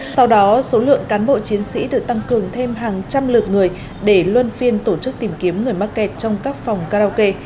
sau đó số lượng cán bộ chiến sĩ được tăng cường thêm hàng trăm lượt người để luân phiên tổ chức tìm kiếm người mắc kẹt trong các phòng karaoke